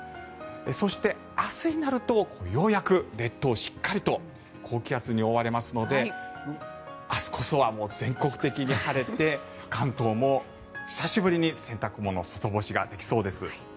そして、明日になるとようやく列島、しっかりと高気圧に覆われますので明日こそは全国的に晴れて関東も久しぶりに洗濯物、外干しができそうです。